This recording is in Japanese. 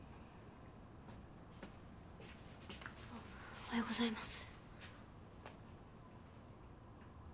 おはようございます。